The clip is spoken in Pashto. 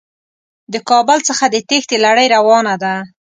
د کابل څخه د تېښتې لړۍ روانه ده.